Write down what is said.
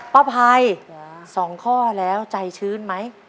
ภัย๒ข้อแล้วใจชื้นไหม